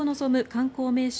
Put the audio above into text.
観光名所